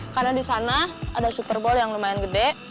karena di sana ada super bowl yang lumayan gede